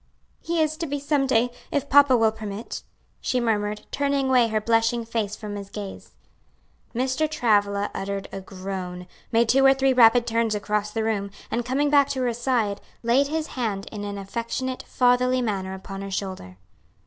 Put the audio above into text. "He is to be some day, if papa will permit," she murmured, turning away her blushing face from his gaze. Mr. Travilla uttered a groan, made two or three rapid turns across the room, and coming back to her side, laid his hand in an affectionate, fatherly manner upon her shoulder.